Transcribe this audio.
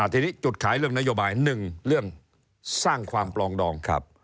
ทีนี้จุดขายเรื่องนโยบาย๑เรื่องสร้างความปลองดองครับ